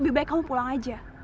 lebih baik kamu pulang aja